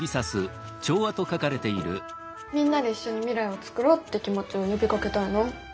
「みんなで一緒に未来をつくろう」って気持ちを呼びかけたいな。